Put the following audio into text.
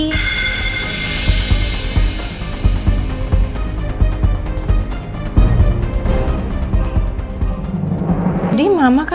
jadi ini adalah